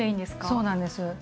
そうなんです。